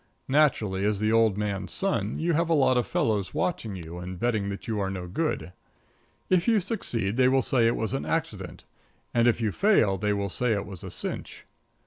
Naturally, as the old man's son, you have a lot of fellows watching you and betting that you are no good. If you succeed they will say it was an accident; and if you fail they will say it was a cinch.